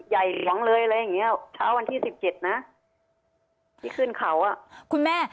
ใหญ่หลวงเลยอะไรอย่างเงี้ยเช้าวันที่สิบเจ็ดนะที่ขึ้นเขาอ่ะคุณแม่